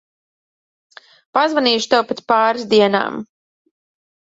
Pazvanīšu tev pēc pāris dienām.